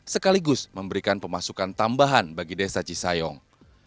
sekaligus memberikan pemasukan tambahan bagi desa cisayong